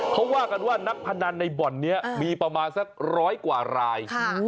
เขาว่ากันว่านักพนันในบ่อนนี้มีประมาณสักร้อยกว่าราย